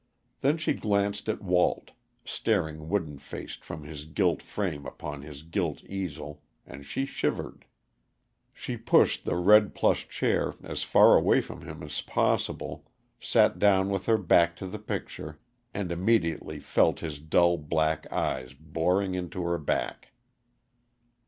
Then she glanced at Walt, staring wooden faced from his gilt frame upon his gilt easel, and shivered. She pushed the red plush chair as far away from him as possible, sat down with her back to the picture, and immediately felt his dull, black eyes boring into her back.